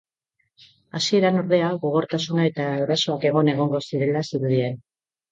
Hasieran, ordea, gogortasuna eta erasoak egon egongo zirela zirudien.